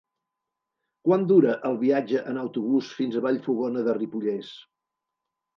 Quant dura el viatge en autobús fins a Vallfogona de Ripollès?